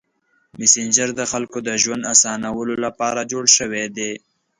مسېنجر د خلکو د ژوند اسانولو لپاره جوړ شوی دی.